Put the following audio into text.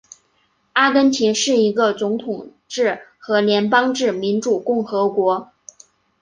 阿根廷是一个总统制和联邦制民主共和国。